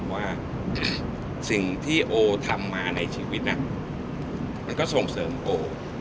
ว่าสิ่งที่โอทำมาในชีวิตมันก็ส่งเสริมโก